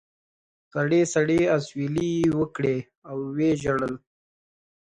سړې سړې اسوېلې یې وکړې او و یې ژړل.